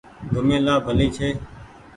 گھومي لآ ڀلي ڇي۔